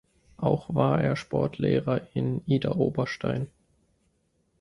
Auch war er Sportlehrer in Idar-Oberstein.